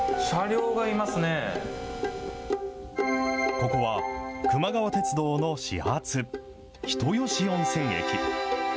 ここは、くま川鉄道の始発、人吉温泉駅。